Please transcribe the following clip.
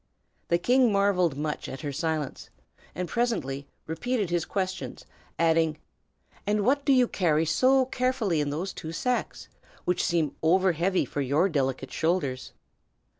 The king marvelled much at her silence, and presently repeated his questions, adding, "And what do you carry so carefully in those two sacks, which seem over heavy for your delicate shoulders?"